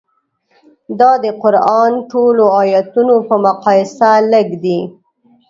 دا د قران ټولو ایتونو په مقایسه لږ دي.